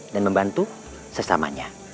dan membantu sesamanya